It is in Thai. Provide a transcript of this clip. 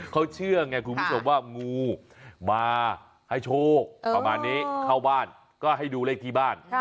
เขาเชื่อไงคุณผู้ชมว่างูมาให้โชคประมาณนี้เข้าบ้านก็ให้ดูเลขที่บ้าน